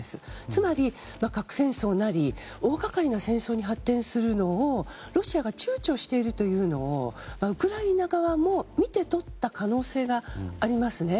つまり、核戦争なり大がかりな戦争に発展するのをロシアが躊躇しているというのをウクライナ側も見て取った可能性がありますね。